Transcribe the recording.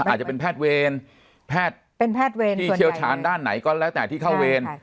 อาจจะเป็นแพทย์เวรแพทย์เป็นแพทย์เวรที่เชี่ยวชาญด้านไหนก็แล้วแต่ที่เข้าเวร